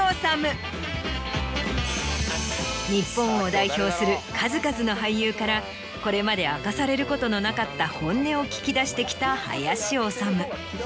日本を代表する数々の俳優からこれまで明かされることのなかった本音を聞き出してきた林修。